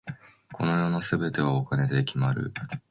この世の全てはお金で決まる。